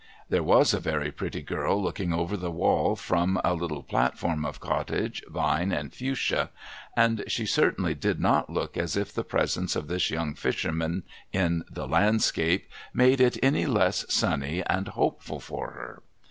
' There was a very pretty girl looking over the wall, from a little platform of cottage, vine, and fuchsia; and she certainly did not look as if the presence of this young fisherman in the landscape made it any the less sunny and hopeful for her.